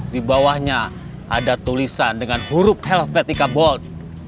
di bawahnya ada tulisan dengan huruf helvetica board